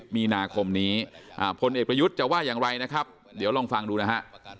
มีนาคมนี้พลเอกประยุทธ์จะว่าอย่างไรนะครับเดี๋ยวลองฟังดูนะฮะ